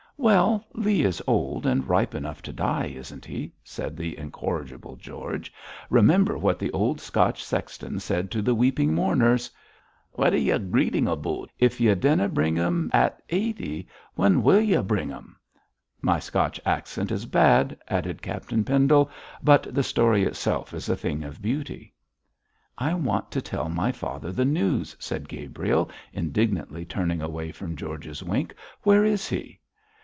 'Well, Leigh is old and ripe enough to die, isn't he?' said the incorrigible George. 'Remember what the old Scotch sexton said to the weeping mourners, "What are ye greeting aboot? If ye dinna bring them at eighty, when wull ye bring them?" My Scotch accent is bad,' added Captain Pendle, 'but the story itself is a thing of beauty.' 'I want to tell my father the news,' said Gabriel, indignantly turning away from George's wink. 'Where is he?'